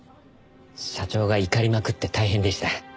社長が怒りまくって大変でした。